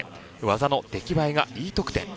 技の出来栄えがＥ得点。